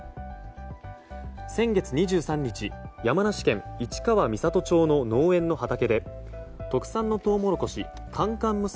先月２３日、山梨県市川三郷町の農園の畑で特産のトウモロコシ、甘々娘